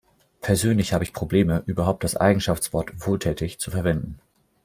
Persönlich habe ich Probleme, überhaupt das Eigenschaftswort "wohltätig" zu verwenden.